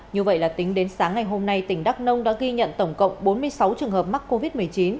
như vậy là tính đến sáng ngày hôm nay tỉnh đắk nông đã ghi nhận tổng cộng bốn mươi sáu trường hợp mắc covid một mươi chín